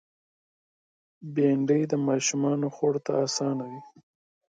بېنډۍ د ماشومو خوړ ته آسانه ده